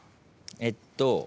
えっと